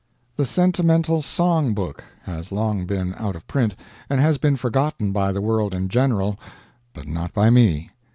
"The Sentimental Song Book" has long been out of print, and has been forgotten by the world in general, but not by me.